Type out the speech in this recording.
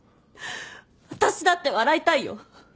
私だって笑いたいよ。